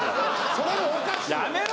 それもおかしいやろ。